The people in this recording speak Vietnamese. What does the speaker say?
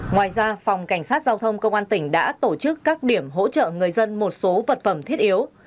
ngoài ra phòng cảnh sát giao thông công an tỉnh đã tổ chức các điểm hỗ trợ người dân một số vật phẩm thiết yếu